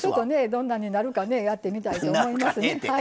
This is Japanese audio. どんなんになるかねやってみたいと思います。